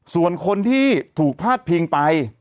ส่วนคนที่ถูกพาดพิงไป